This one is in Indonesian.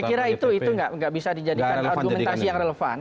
saya kira itu nggak bisa dijadikan argumentasi yang relevan